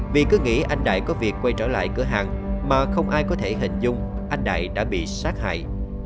vì cứ nghĩ anh đại có việc quay trở lại cửa hàng mà không ai có thể hình dung anh đại đã bị sát hại